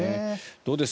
どうです？